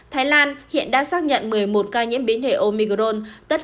thái lan hiện đã xác nhận một mươi một ca nhiễm biến thể omigron